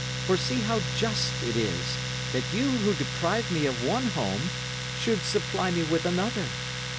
For see how just it is, that you who deprived me of one home, should supply me with another.